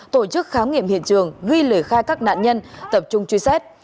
tổ chức khám nghiệm hiện trường ghi lời khai các nạn nhân tập trung truy xét